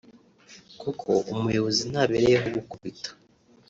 kuko umuyobozi ntabereyeho gukubita